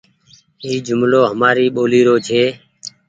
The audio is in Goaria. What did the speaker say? اي جملو همآري ٻولي رو ڇي۔